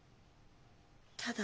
ただ。